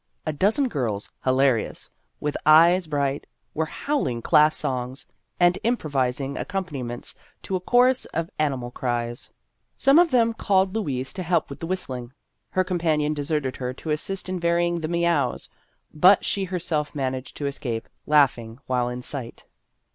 A dozen girls, hilarious, with eyes bright, were howling class songs, and im provising accompaniments to a chorus of animal cries. Some of them called Louise 224 Vassar Studies to help with the whistling. Her com panion deserted her to assist in varying the meows, but she herself managed to escape, laughing while in sight.